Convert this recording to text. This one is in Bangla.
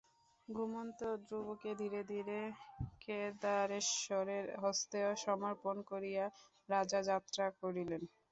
ঘুমন্ত ধ্রুবকে ধীরে ধীরে কেদারেশ্বরের হস্তে সমর্পণ করিয়া রাজা যাত্রা করিলেন।